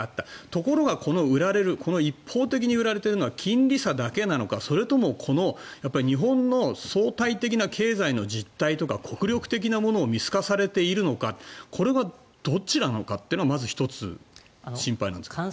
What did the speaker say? ところが、この売られる一方的に売られているのは金利差だけなのかそれとも日本の相対的な経済の実態とか国力的なものを見透かされているのかこれがどっちなのかってのがまず１つ心配なんですけど。